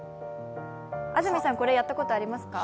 安住さん、これやったことありますか？